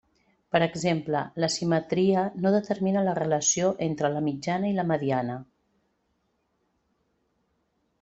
Per exemple, l'asimetria no determina la relació entre la mitjana i la mediana.